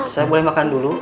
saya boleh makan dulu